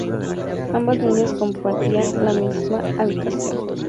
Ambas niñas compartían la misma habitación.